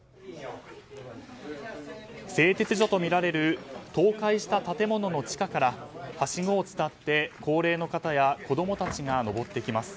製鉄所とみられる倒壊した建物の地下からはしごを使って高齢の方や子供たちが上ってきます。